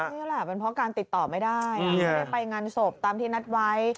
จริงอั้ยล่ะมันเพราะติดต่อไม่ได้อ่ะไม่ได้ไปงานโสบตามที่นัดไว้